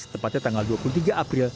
tepatnya tanggal dua puluh tiga april